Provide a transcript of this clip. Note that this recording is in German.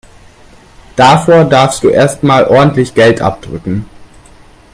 Davor darfst du erst mal ordentlich Geld abdrücken.